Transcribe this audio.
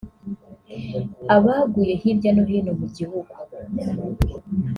Abaguye hirya no hino mu gihugu